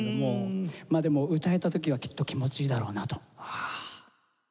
まあでも歌えた時はきっと気持ちいいだろうなと。